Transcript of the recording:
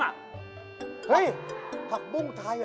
เฮ้ยผักบุ้งไทยเหรอ